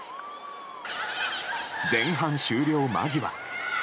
前半終了間際。